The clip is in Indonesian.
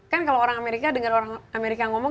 kan kalau orang amerika dengar orang amerika ngomong